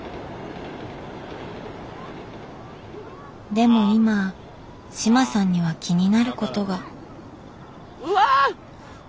でも今志麻さんには気になることが。うわ！